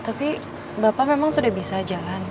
tapi bapak memang sudah bisa jalan